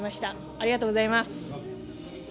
ありがとうございます。